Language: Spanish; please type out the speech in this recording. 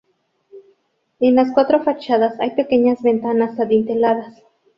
En las cuatro fachadas hay pequeñas ventanas adinteladas.